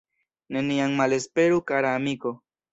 Neniam malesperu kara amiko.